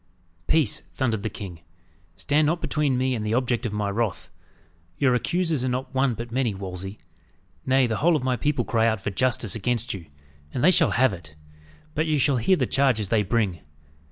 "Peace!" thundered the king. "Stand not between me and the object of my wrath. Your accusers are not one but many, Wolsey; nay, the whole of my people cry out for justice against you. And they shall have it. But you shall hear the charges they bring.